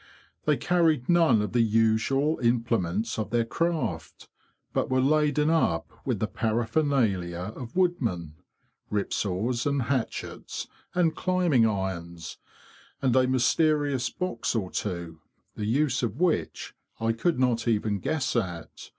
They carried none of the usual implements of their craft, but were laden up with the paraphernalia of woodmen—rip saws and hatchets and climbing irons, and a mysterious box or two, the use of which I could not even guess at.